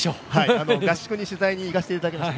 合宿に取材に行かせてもらいました。